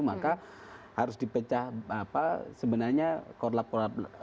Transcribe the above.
maka harus dipecah sebenarnya korlap korlap